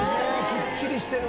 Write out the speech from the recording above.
きっちりしてるわ。